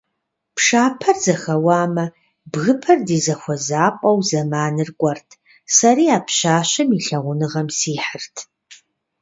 Пшапэр зэхэуамэ, бгыпэр ди зэхуэзапӀэу зэманыр кӀуэрт, сэри а пщащэм и лъагъуныгъэм сихьырт.